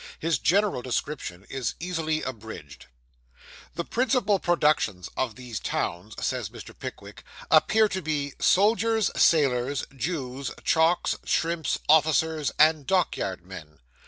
His general description is easily abridged. 'The principal productions of these towns,' says Mr. Pickwick, 'appear to be soldiers, sailors, Jews, chalk, shrimps, officers, and dockyard men.